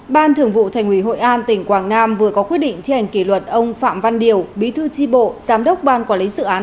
ban thường vụ thành ủy hội an tỉnh quảng nam vừa có quyết định thi hành kỷ luật ông phạm văn điều bí thư tri bộ giám đốc ban quản lý dự án